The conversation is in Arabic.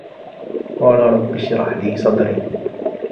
قال رب اشرح لي صدري